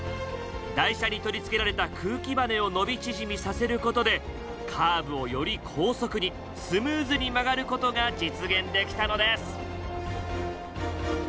台車に取り付けられた空気バネを伸び縮みさせることでカーブをより高速にスムーズに曲がることが実現できたのです。